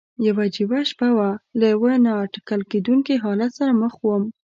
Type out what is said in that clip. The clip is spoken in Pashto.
یوه عجیبه شپه وه، له یوه نا اټکل کېدونکي حالت سره مخ ووم.